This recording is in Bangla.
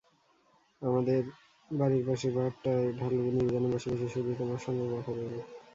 আমাদের বাড়ির পাশের পাহাড়টায় ঢালুতে নির্জনে বসে বসে শুধু তোমার সঙ্গে কথা বলব।